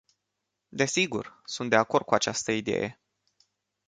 Desigur, sunt de acord cu această idee.